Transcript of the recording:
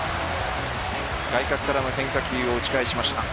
外角からの変化球を打ち返しました。